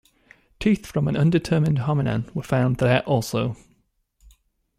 Teeth from an undetermined Hominan were found there also.